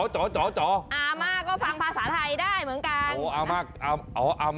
อาม่าก็ฟังภาษาไทยได้เหมือนกัน